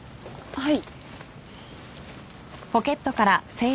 はい。